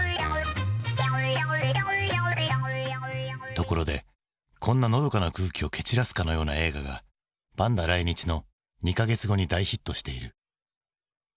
ところでこんなのどかな空気を蹴散らすかのような映画がパンダ来日の２か月後に大ヒットしている。